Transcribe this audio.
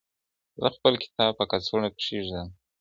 زه خپل کتاب په کڅوړه کښي ږدم.